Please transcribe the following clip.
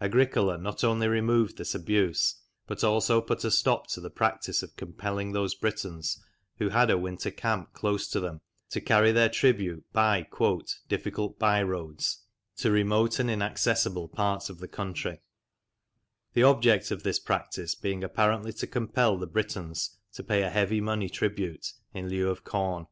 Agricola not only removed this abuse, but also put a stop to the practice of compelling those Britons who had a winter camp close to them to carry their tribute by " difficult by roads " to " remote and inaccessible parts of the country," the object of this practice being apparently to compel the Britons to pay a heavy money tribute in lieu of corn.